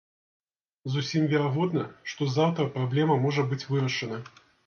Зусім верагодна, што заўтра праблема можа быць вырашана.